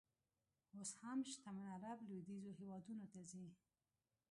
اوس هم شتمن عر ب لویدیځو هېوادونو ته ځي.